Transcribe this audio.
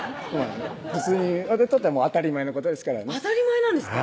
普通に私にとってはもう当たり前のことですからね当たり前なんですか？